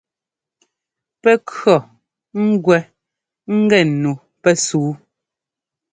Pɛ́ kʉ̈ɔ ŋ́gwɛ ŋ́gɛ nu pɛsúu...